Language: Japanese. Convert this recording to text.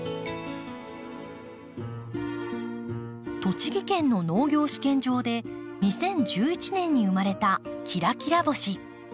栃木県の農業試験場で２０１１年に生まれた「きらきら星」。